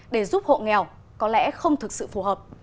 để giúp hộ nghèo có lẽ không thực sự phù hợp